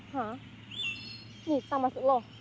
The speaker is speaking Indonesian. hah nih sama se loh